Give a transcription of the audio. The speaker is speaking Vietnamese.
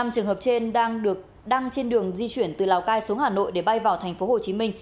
năm trường hợp trên đang được đăng trên đường di chuyển từ lào cai xuống hà nội để bay vào thành phố hồ chí minh